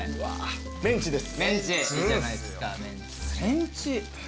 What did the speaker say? メンチです。